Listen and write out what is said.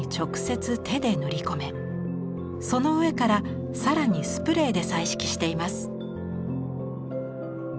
その上から更にスプレーで彩色しています。